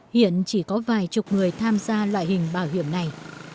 hiện chỉ có vài chục người tham gia loại hình bảo hiểm này